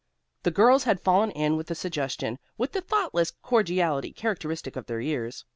The girls had fallen in with the suggestion with the thoughtless cordiality characteristic of their years.